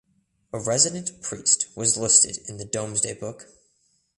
A resident priest was listed in the Domesday book.